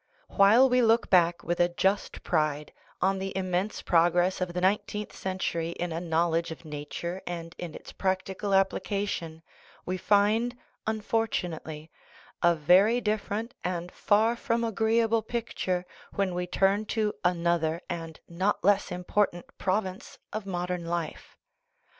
While we look back with a just pride on the immense progress of the nineteenth century in a knowledge of nature and in its practical application, we find, unfortu nately, a very different and far from agreeable picture when we turn to another and not <Hss important prov ince of modern life.